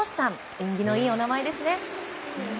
縁起のいいお名前ですね。